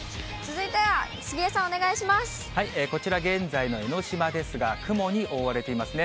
こちら、現在の江の島ですが、雲に覆われていますね。